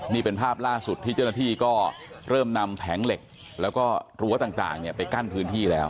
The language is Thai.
นี่เป็นภาพล่าสุดที่เจ้าหน้าที่ก็เริ่มนำแผงเหล็กแล้วก็รั้วต่างไปกั้นพื้นที่แล้ว